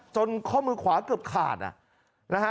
ข้อมือขวาเกือบขาดนะฮะ